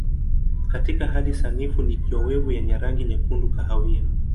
Katika hali sanifu ni kiowevu yenye rangi nyekundu kahawia.